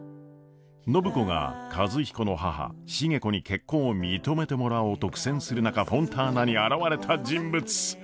暢子が和彦の母重子に結婚を認めてもらおうと苦戦する中フォンターナに現れた人物。